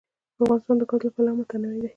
افغانستان د ګاز له پلوه متنوع دی.